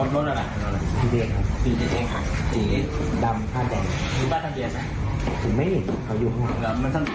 มันช่วยตัวหมวกกันน็อกกันนะ